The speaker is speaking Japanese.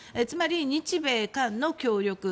つまり日米韓の協力。